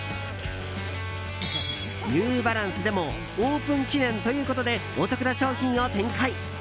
ニューバランスでもオープン記念ということでお得な商品を展開。